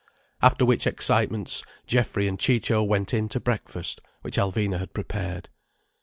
After which excitements Geoffrey and Ciccio went in to breakfast, which Alvina had prepared.